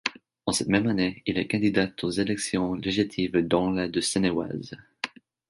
En cette même année, il est candidat aux élections législatives dans la de Seine-et-Oise.